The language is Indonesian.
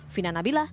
fina nabilah jakarta